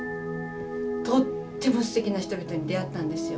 とってもすてきな人々に出会ったんですよ